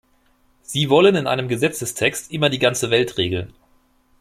Sie wollen in einem Gesetzestext immer die ganze Welt regeln.